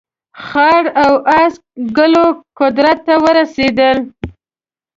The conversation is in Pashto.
خړ او اس ګلو قدرت ته ورسېدل.